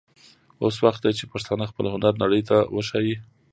اوس وخت دی چې پښتانه خپل هنر نړۍ ته وښايي.